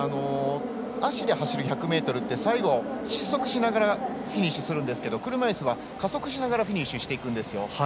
足で走る１００ｍって最後、失速しながらフィニッシュするんですが車いすは加速しながらフィニッシュするんです。